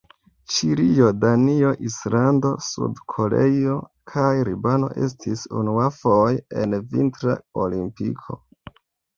Ĉilio, Danio, Islando, Sud-Koreio kaj Libano estis unuafoje en Vintra Olimpiko.